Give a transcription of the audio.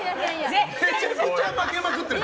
めちゃくちゃ負けまくってる。